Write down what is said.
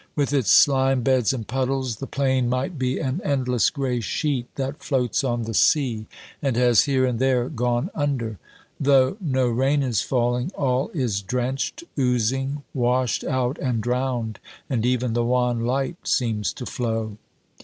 With its slime beds and puddles, the plain might be an endless gray sheet that floats on the sea and has here and there gone under. Though no rain is falling, all is drenched, oozing, washed out and drowned, and even the wan light seems to flow.